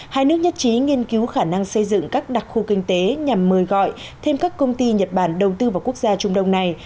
hai nước nhất trí nghiên cứu khả năng xây dựng các đặc khu kinh tế nhằm mời gọi thêm các công ty nhật bản đầu tư vào quốc gia trung đông này